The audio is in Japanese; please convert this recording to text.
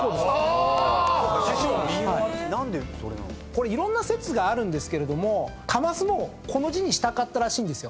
これいろんな説があるんですけれどもカマスもこの字にしたかったらしいんです。